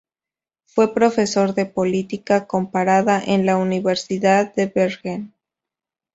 Fue profesor de política comparada en la Universidad de Bergen.